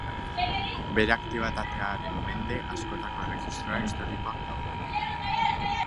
Bere aktibitatearen mende askotako erregistro historikoak daude.